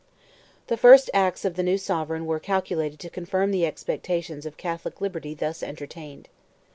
The first acts of the new sovereign were calculated to confirm the expectations of Catholic liberty thus entertained.